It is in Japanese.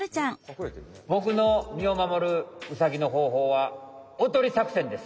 ボクの身を守るウサギのほうほうはおとり作戦です。